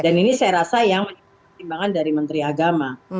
dan ini saya rasa yang pertimbangan dari menteri agama